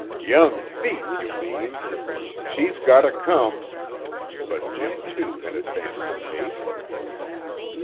"Young thief, you mean! She's gotter come " But Jim, too, had advanced a pace.